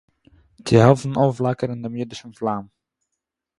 צו העלפן אויפפלאַקערן דעם אידישן פלאַם